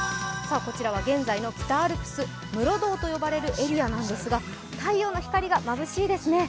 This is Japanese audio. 北アルプス室堂と呼ばれるエリアなんですが太陽の光がまぶしいですね。